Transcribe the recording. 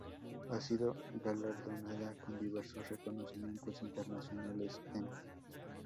Ha sido galardonada con diversos reconocimientos internacionales en